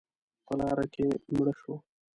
_په لاره کې مړه شوه.